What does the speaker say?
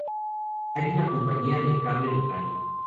Hay una compañía de cable local.